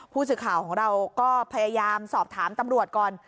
ผู้สื่อข่าวของเราก็พยายามสอบถามตำรวจก่อน